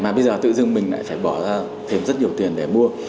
mà bây giờ tự dưng mình lại phải bỏ ra thêm rất nhiều tiền để mua